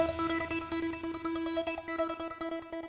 informasinya usia jeda berikut